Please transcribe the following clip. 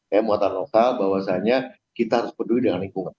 ya muatan lokal bahwasanya kita harus peduli dengan lingkungan